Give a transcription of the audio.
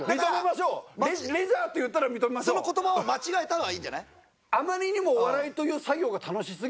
その言葉を間違えたのはいいんじゃない？